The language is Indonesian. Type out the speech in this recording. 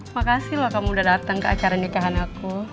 makasih loh kamu udah datang ke acara nikahan aku